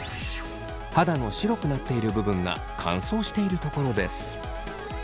肌の白くなっている部分が乾燥している所です。